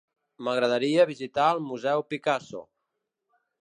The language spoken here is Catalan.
M'agradaria visitar el museu Picasso.